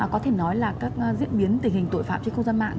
có thể nói là các diễn biến tình hình tội phạm trên khu dân mạng